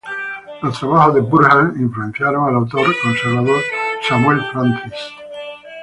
Los trabajos de Burnham influenciaron al autor conservador Samuel Francis.